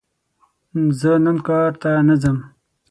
زه نن کار ته نه ځم!